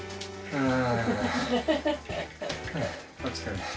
うん！